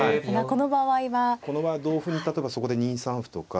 この場合は同歩に例えばそこで２三歩とか。